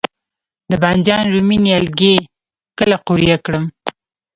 د بانجان رومي نیالګي کله قوریه کړم؟